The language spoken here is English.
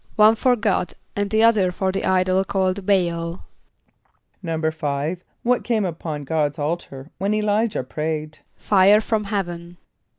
=One for God, and the other for the idol called B[=a]´al.= =5.= What came upon God's altar when [+E] l[=i]´jah prayed? =Fire from heaven.